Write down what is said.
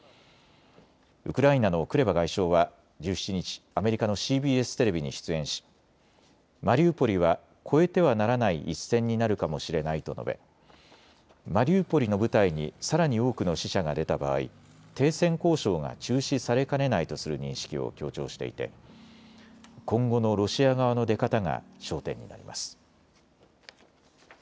ウクライナのクレバ外相は１７日、アメリカのＣＢＳテレビに出演しマリウポリは越えてはならない一線になるかもしれないと述べマリウポリの部隊にさらに多くの死者が出た場合、停戦交渉が中止されかねないとする認識を強調していて今後のロシア側の出方が焦点になります。